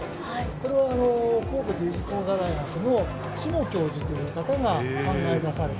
これは、神戸芸術工科大学の志茂教授という方が考え出された。